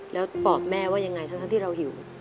แล้วตอบแม่ว่ายังไงทั้งที่เราหิว